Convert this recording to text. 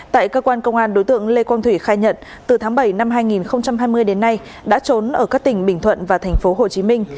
tại cơ quan công an đối tượng lê quang thủy khai nhận từ tháng bảy năm hai nghìn hai mươi đến nay đã trốn ở các tỉnh bình thuận và tp hcm